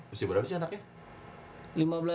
musim berapa sih anaknya